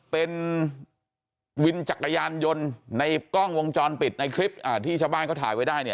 เป็นวินจักรยานยนต์ในกล้องวงจรปิดในคลิปที่ชาวบ้านเขาถ่ายไว้ได้เนี่ย